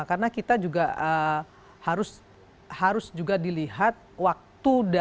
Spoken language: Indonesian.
karena kita juga harus dilihat waktu dan